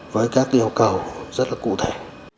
với các yêu cầu rất là cụ thể